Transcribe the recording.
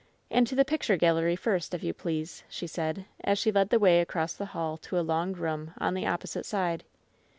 "And to the picture gallery first, if you please," she said, as she led the way across the hall to a long room on the opposite side.